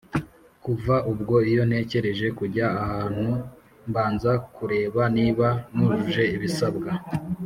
Kuva ubwo iyo ntekere kujya ahantu mbanza kureba niba nujuje ibisabwa